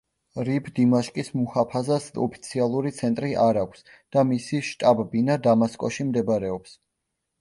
რიფ-დიმაშკის მუჰაფაზას ოფიციალური ცენტრი არ აქვს და მისი შტაბ-ბინა დამასკოში მდებარეობს.